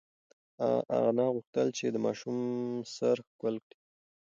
انا غوښتل چې د ماشوم سر ښکل کړي.